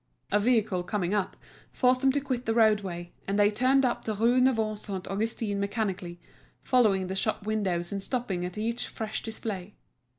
A vehicle coming up, forced them to quit the road way, and they turned up the Rue Neuve Saint Augustin mechanically, following the shop windows and stopping at each fresh display.